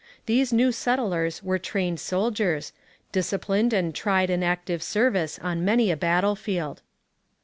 These new settlers were trained soldiers, disciplined and tried in active service on many a battlefield.